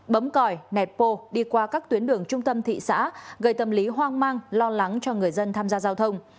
bấm còi nẹt bô đi qua các tuyến đường trung tâm thị xã gây tâm lý hoang mang lo lắng cho người dân tham gia giao thông